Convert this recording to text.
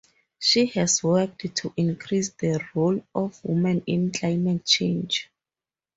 She has worked to increase the role of women in climate change.